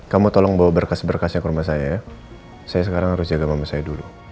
kamu tolong bawa berkas berkasnya ke rumah saya saya sekarang harus jaga mama saya dulu